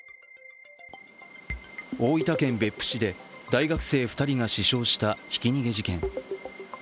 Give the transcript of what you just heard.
大分県別府市で大学生２人が死傷したひき逃げ事件。